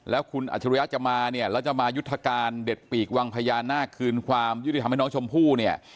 แล้วคุณอัจฉริยะจะมาเนี่ยแล้วจะมายุทธการเด็ดปีกวังพญานาคคืนความยุติธรรมให้น้องชมพู่เนี่ย